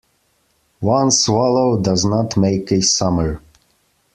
One swallow does not make a summer.